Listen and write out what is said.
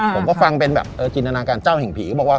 ผมก็ฟังเป็นแบบจินตนาการเจ้าแห่งผีก็บอกว่า